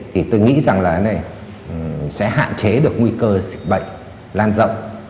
thì tôi nghĩ rằng là sẽ hạn chế được nguy cơ dịch bệnh lan rộng